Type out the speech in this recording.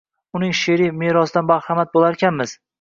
Uning she’riy merosidan bahramand bo’larkanmiz.